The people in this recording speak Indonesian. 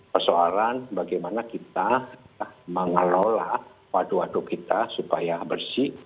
persoalan bagaimana kita mengelola waduk waduk kita supaya bersih